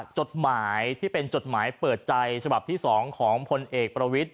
จดหมายที่เป็นจดหมายเปิดใจฉบับที่๒ของพลเอกประวิทธิ